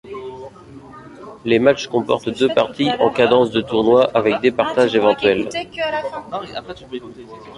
Les matchs comportent deux parties en cadence de tournoi, avec départage éventuel.